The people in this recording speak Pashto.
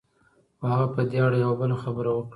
خو هغه په دې اړه يوه بله خبره وکړه.